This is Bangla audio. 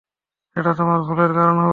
এটা তোমার ভুলের কারণে হবে।